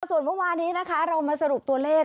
ส่วนเมื่อวานี้นะคะเรามาสรุปตัวเลข